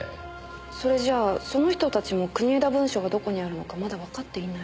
それじゃあその人たちも国枝文書がどこにあるのかまだわかっていない？